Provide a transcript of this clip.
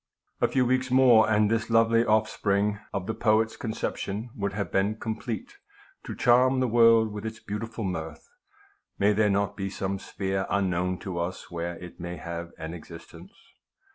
A few weeks more, and this lovely offspring of the poet's conception would have been complete, to charm the world with its beautiful mirth. May there not be some sphere unknown to us where it may have an existence